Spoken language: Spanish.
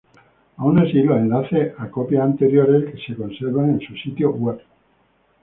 Aun así, los enlaces a copias anteriores se conservan en su sitio web.